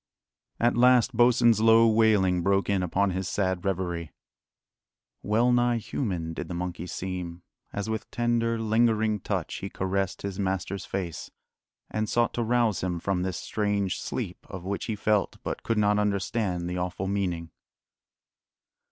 At last Bosin's low wailing broke in upon his sad reverie. Well nigh human did the monkey seem, as with tender, lingering touch he caressed his master's face, and sought to rouse him from this strange sleep of which he felt but could not understand the awful meaning.